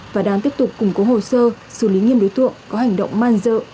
và đang tiếp tục củng cố hồ sơ xử lý nghiêm đối tượng có hành động man dợ đối với trẻ em